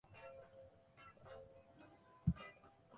拉尔纳。